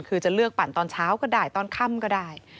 คือจะเลือกปั่นตอนเช้าก็ได้ตอนค่ำก็ได้